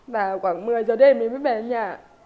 là khoảng một mươi giờ đêm mình mới về nhà